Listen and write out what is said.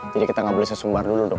jadi kita gak boleh sesumbar dulu dong